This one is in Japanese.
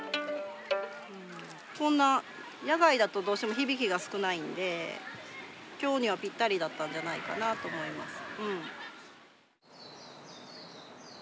こんな野外だとどうしても響きが少ないんで今日にはぴったりだったんじゃないかなと思います。